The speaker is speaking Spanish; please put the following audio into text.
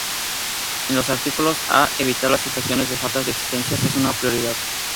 En los artículos A, evitar las situaciones de faltas de existencias es una prioridad.